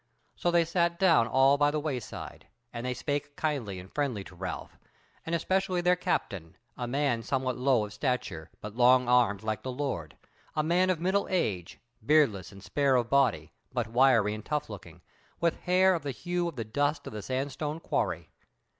So they sat down all by the wayside, and they spake kindly and friendly to Ralph, and especially their captain, a man somewhat low of stature, but long armed like the Lord, a man of middle age, beardless and spare of body, but wiry and tough looking, with hair of the hue of the dust of the sandstone quarry.